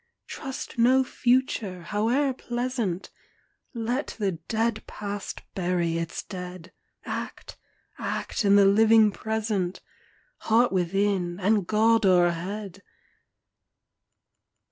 Trust no Future, howe'er pleasant ! Let the dead Past bury its dead ! Act, — act in the living Present ! Heart within, and God o'erhead